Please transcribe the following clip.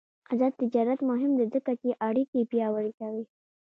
آزاد تجارت مهم دی ځکه چې اړیکې پیاوړې کوي.